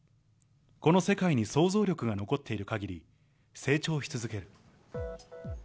この世界に想像力が残ってるかぎり、成長し続ける。